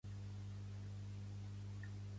Accident laboral anant a buscar espàrrecs